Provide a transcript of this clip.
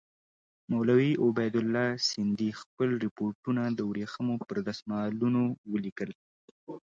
مولوي عبیدالله سندي خپل رپوټونه د ورېښمو پر دسمالونو ولیکل.